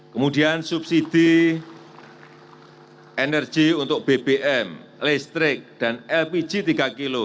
kemudian subsidi energi untuk bbm listrik dan lpg tiga kg